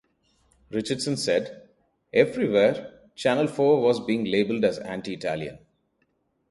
Richardson said, Everywhere Channel Four was being labelled as anti-Italian.